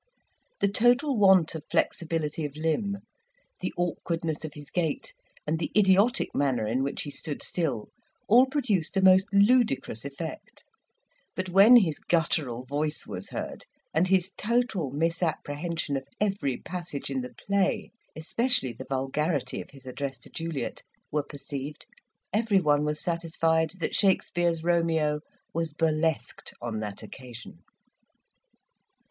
The total want of flexibility of limb, the awkwardness of his gait, and the idiotic manner in which he stood still, all produced a most ludicrous effect; but when his guttural voice was heard, and his total misapprehension of every passage in the play, especially the vulgarity of his address to Juliet, were perceived, everyone was satisfied that Shakspeare's Romeo was burlesqued on that occasion.